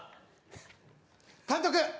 監督！